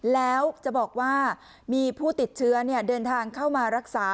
แล้วจะบอกว่ามีผู้ติดเชื้อเดินทางเข้ามารักษา